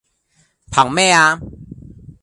憑咩呀?